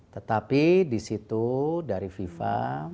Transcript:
tetapi disitu dari viva